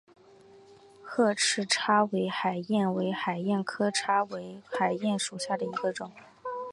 褐翅叉尾海燕为海燕科叉尾海燕属下的一个种。